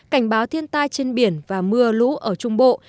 cảnh báo thiên tai trên biển và mưa lũ ở trung bộ